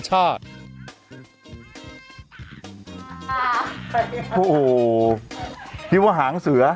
โอ้โหพี่ว่าหางเสือ